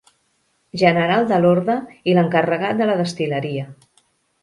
General de l'Orde i l'encarregat de la destil·leria.